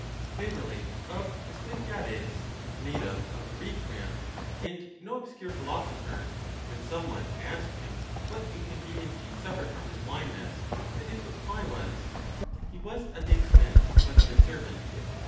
They relate of Asclepiades, a native of Eretria, and no ob secure philosopher, when some one asked him what incon venience he suffered from his blindness, that his reply was, "He was at the expense of another servant."